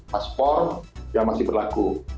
paspor yang masih berlaku